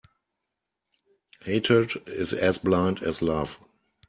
Hatred is as blind as love.